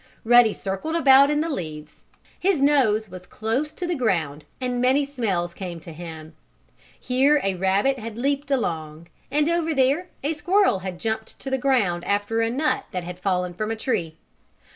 Ruddy circled about in the leaves. His nose was close to the ground, and many smells came to him. Here a rabbit had leaped along, and over there a squirrel had jumped to the ground after a nut that had fallen from a tree.